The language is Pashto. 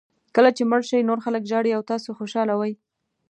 کله چې مړ شئ نور خلک ژاړي او تاسو خوشاله وئ.